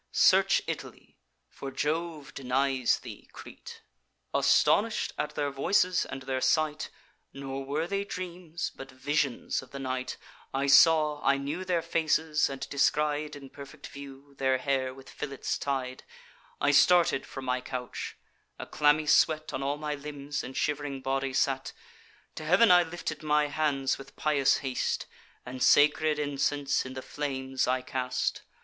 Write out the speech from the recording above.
Search Italy; for Jove denies thee Crete.' "Astonish'd at their voices and their sight, (Nor were they dreams, but visions of the night; I saw, I knew their faces, and descried, In perfect view, their hair with fillets tied;) I started from my couch; a clammy sweat On all my limbs and shiv'ring body sate. To heav'n I lift my hands with pious haste, And sacred incense in the flames I cast.